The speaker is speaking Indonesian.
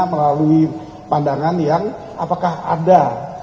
melalui pandangan yang apakah ada